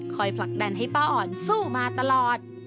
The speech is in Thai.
ผลักดันให้ป้าอ่อนสู้มาตลอด